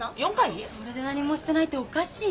それで何もしてないっておかしいよ。